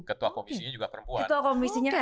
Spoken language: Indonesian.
ketua komisinya juga perempuan